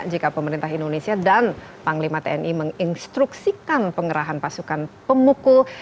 jika pemerintah indonesia dan panglima tni menginstruksikan pengerahan pasukan pemukul